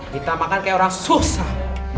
kita makan kayak orang susah